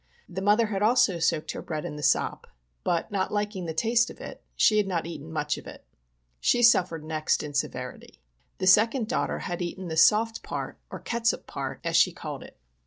The mother had also soaked her bread in the sop, but not liking the taste of it, she had not eaten much of it. She suffered next in severity. The second daughter had eaten the soft part, or " catsup part," as she 60 POISONING BY CANNED GOODS. called it.